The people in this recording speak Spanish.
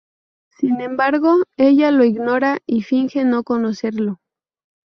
Sin embargo, ella lo ignora y finge no conocerlo.